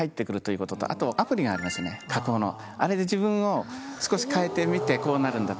あれで自分を少し変えてみてこうなるんだと。